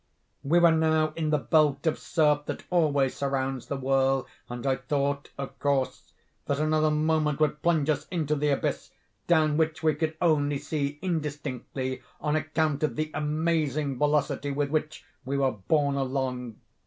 We were now in the belt of surf that always surrounds the whirl; and I thought, of course, that another moment would plunge us into the abyss, down which we could only see indistinctly on account of the amazing velocity with which we wore borne along.